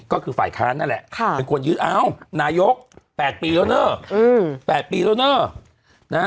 ก็คือฝ่ายค้านนั่นแหละเป็นคนยื่นเอ้านายก๘ปีแล้วเนอะ๘ปีแล้วเนอะ